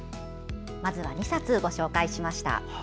まずは２冊ご紹介しました。